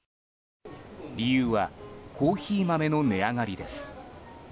理由はコーヒー豆の値上がりです。